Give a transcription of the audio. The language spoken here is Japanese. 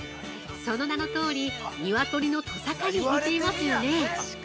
その名のとおり、ニワトリのとさかに似ていますよね。